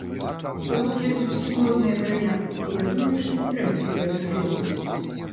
То бок ёсць зусім розныя варыянты, і я думаю, што не трэба сябе абмяжоўваць.